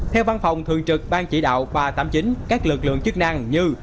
theo văn phòng thường trực ban chỉ đạo ba trăm tám mươi chín các lực lượng chức năng như